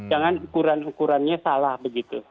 jangan ukuran ukurannya salah begitu